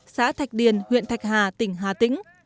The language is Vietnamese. xã thạch điền huyện thạch hà tỉnh hà tĩnh